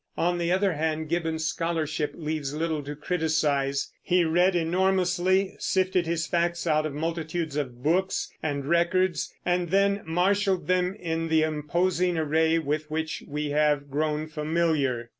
On the other hand, Gibbon's scholarship leaves little to criticise; he read enormously, sifted his facts out of multitudes of books and records, and then marshaled them in the imposing array with which we have grown familiar.